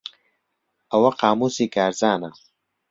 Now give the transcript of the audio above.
ئەوە قامووسی کارزانە.